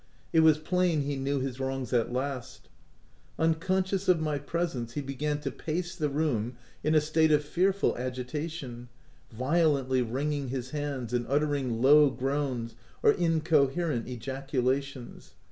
It was plain he knew his wrongs at last ! Unconscious of my presence, he began to pace the room in a state of fearful agitation, violently wringing his hands and uttering low groans or incoherent ejaculations.